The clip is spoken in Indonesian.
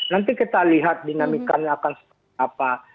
nanti kita lihat dinamikanya akan seperti apa